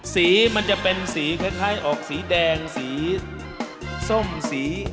สีมันจะเป็นสีคล้ายออกสีแดงสีส้มสี